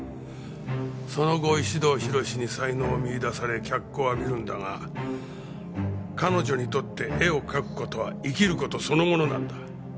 その後石堂浩に才能を見出され脚光を浴びるんだが彼女にとって絵を描く事は生きる事そのものなんだ。